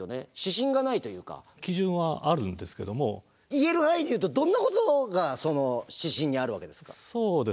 言える範囲で言うとどんなことがその指針にあるわけですか？